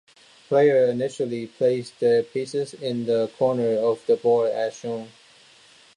Players initially place their pieces in the corners of the board as shown.